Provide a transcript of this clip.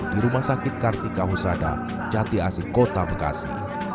di rumah sakit kartika husada jati asih kota bekasi